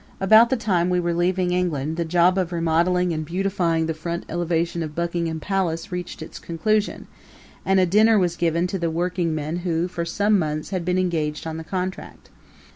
About the time we were leaving England the job of remodeling and beautifying the front elevation of Buckingham Palace reached its conclusion, and a dinner was given to the workingmen who for some months had been engaged on the contract.